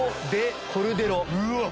うわっ！